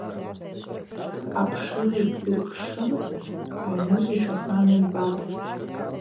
Апшгӏвы дйырпшын айныжв йтахӏвана йбатӏ.